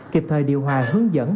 kịp thời điều hòa hướng dẫn